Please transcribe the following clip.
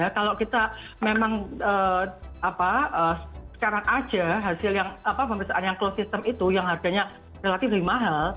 kita memang sekarang saja hasil pemeriksaan yang closed system itu yang harganya relatif lebih mahal